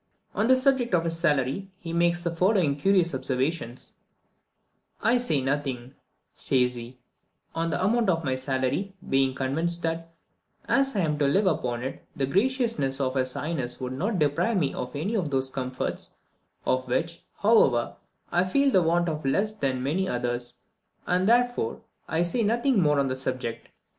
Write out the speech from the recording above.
On the subject of his salary, he makes the following curious observations: "I say nothing," says he, "on the amount of my salary; being convinced that, as I am to live upon it, the graciousness of his highness would not deprive me of any of those comforts, of which, however, I feel the want of less than many others; and, therefore, I say nothing more on the subject.